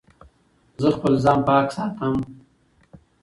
زه خپل ځان پاک ساتم.